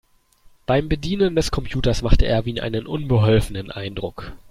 Beim Bedienen des Computers machte Erwin einen unbeholfenen Eindruck.